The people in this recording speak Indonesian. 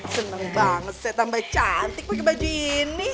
seneng banget saya tambah cantik bagi baju ini